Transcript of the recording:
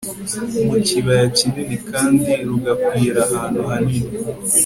mu kibaya kinini kandi rugakwira ahantu hanini